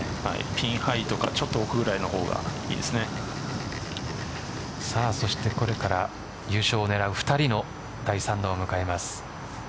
ピンハイとかちょっと奥ぐらいの方がそして、これから優勝を狙う２人の第３打を迎えます。